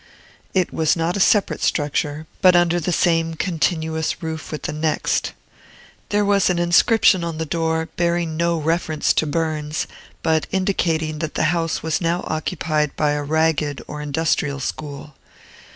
It was not a separate structure, but under the same continuous roof with the next. There was an inscription on the door, hearing no reference to Burns, but indicating that the house was now occupied by a ragged or industrial school.